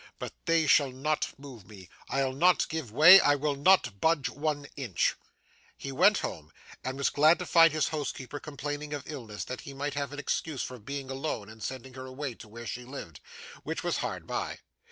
But they shall not move me. I'll not give way. I will not budge one inch!' He went home, and was glad to find his housekeeper complaining of illness, that he might have an excuse for being alone and sending her away to where she lived: which was hard by.